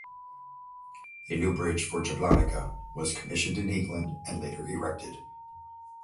A new bridge for Jablanica was commissioned in England and later erected.